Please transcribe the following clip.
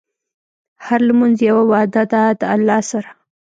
هره لمونځ یوه وعده ده د الله سره.